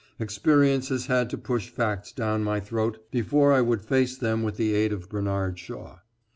Experience has had to push facts down my throat before I would face them with the aid of Bernard Shaw.